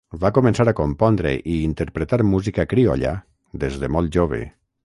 Va començar a compondre i interpretar música criolla des de molt jove.